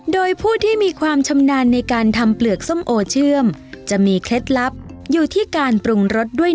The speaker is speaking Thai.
โดยผู้ที่มีความชำนาญในการทำเปลือกส้มโอเชื่อมจะมีเคล็ดลับอยู่ที่การปรุงรสด้วย